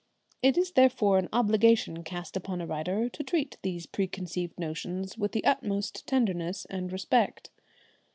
It is therefore an obligation cast upon a writer to treat these preconceived notions with the utmost tenderness and respect.